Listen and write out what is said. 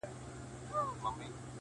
دا چي له کتاب سره ياري کوي _